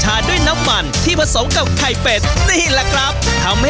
จากนั้นถึงเอามาผสมกับแป้งสารีดิบที่ทิ้งไว้อีก๖ชั่วโมง